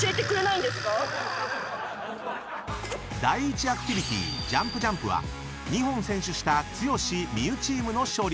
［第１アクティビティＪｕｍｐ×Ｊｕｍｐは２本先取した剛・望結チームの勝利］